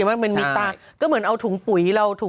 มันมีตังค์ก็เหมือนเอาถุงปุ๋ย